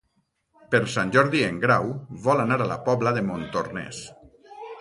Per Sant Jordi en Grau vol anar a la Pobla de Montornès.